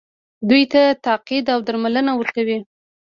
دوی ته تقاعد او درملنه ورکوي.